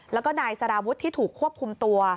แล้วก็นายสารวุฒิที่ถูกควบคุมตัว